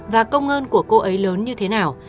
và công ơn của cô ấy lớn như thế nào